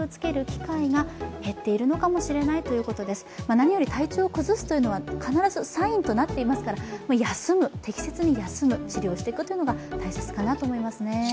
何より体調を崩すというのは必ずサインとなっていますから、適切に休む、治療していくというのが大切かなと思いますね。